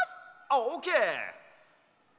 オーケー！